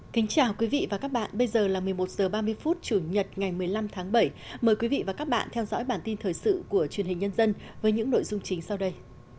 chào mừng quý vị đến với bản tin thời sự của chuyên hình nhân dân với những nội dung chính sau đây